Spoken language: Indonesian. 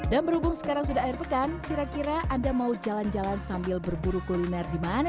dan berhubung sekarang sudah air pekan kira kira anda mau jalan jalan sambil berburu kuliner di mana nih